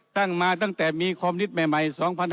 ตั้งมาตั้งแต่มีความนิดใหม่๒๕๑๑